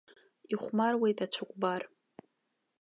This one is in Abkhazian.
Ихәмаруеит ацәыкәбар.